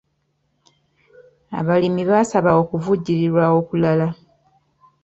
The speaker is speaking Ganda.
Abalimi baasaba okuvujjirirwa okulala.